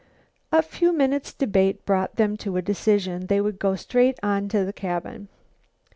A few minutes' debate brought them to a decision. They would go straight on to the cabin.